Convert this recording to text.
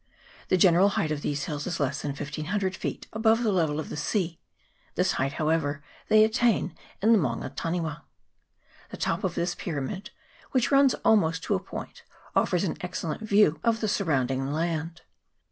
The general height of these hills is less than 1 500 feet above the level of the sea ; this height, however, they attain in the Maunga Ta niwa. The top of this pyramid, which runs almost to a point, offers an excellent view of the sur rounding land.